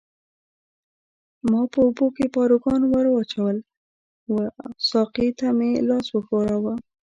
ما په اوبو کې پاروګان ورواچول او وه ساقي ته مې لاس وښوراوه.